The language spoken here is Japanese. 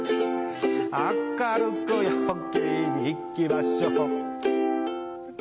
明るく陽気にいきましょう